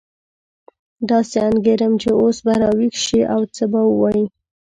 داسې انګېرم چې اوس به راویښ شي او څه به ووایي.